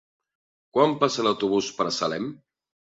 Quan passa l'autobús per Salem?